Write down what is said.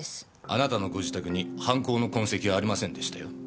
あなたのご自宅に犯行の痕跡はありませんでしたよ。